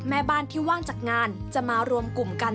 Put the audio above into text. แม่บ้านที่ว่างจากงานจะมารวมกลุ่มกัน